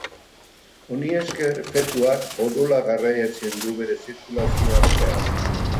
Honi esker, fetuak odola garraiatzen du bere zirkulazioan zehar.